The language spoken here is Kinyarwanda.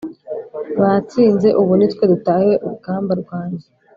batsinze ubu nitwe dutahiwe. Urugamba rwanjye